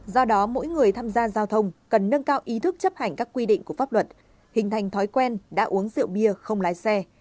do đó mỗi người tham gia giao thông cần nâng cao ý thức chấp hành các quy định của pháp luật hình thành thói quen đã uống rượu bia không lái xe